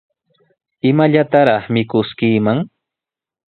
¿Imallataraq mikuskiiman?